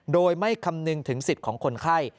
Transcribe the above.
โดยไม่คำนึงถึงสิทธิ์ของคนไข้